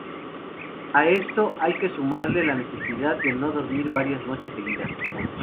A esto hay que sumarle la necesidad de no dormir varias noches seguidas.